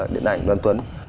điện ảnh đoàn tuấn